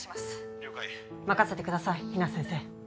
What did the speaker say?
了解任せてください比奈先生